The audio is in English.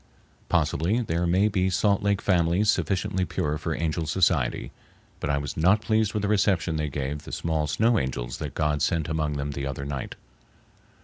Possibly there may be Salt Lake families sufficiently pure for angel society, but I was not pleased with the reception they gave the small snow angels that God sent among them the other night.